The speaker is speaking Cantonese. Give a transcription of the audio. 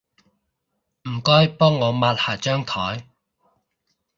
唔該幫我抹下張枱